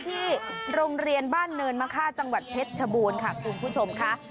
ที่โรงเรียนบ้านเนินมะค่าจังหวัดเพชรชบูรณ์ค่ะคุณผู้ชมค่ะ